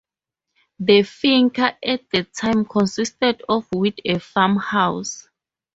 The "Finca" at the time consisted of with a farmhouse.